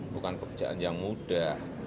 bukan pekerjaan yang mudah